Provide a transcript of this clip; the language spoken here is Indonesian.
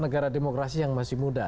negara demokrasi yang masih muda